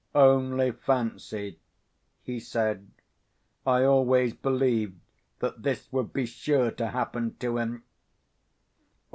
"Only fancy," he said, "I always believed that this would be sure to happen to him."